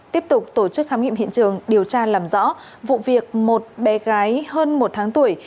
tiếp tục tổ chức khám nghiệm hiện trường điều tra làm rõ vụ việc một bé gái hơn một tháng tuổi